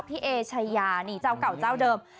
พี่เอเฉญานี่เจ้าเก่าเจ้าเดิม